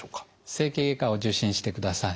整形外科を受診してください。